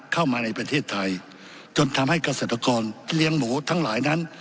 เข้ามาในประเทศไทยจนทำให้เกษตรกรเลี้ยงหมูทั้งหลายนั้น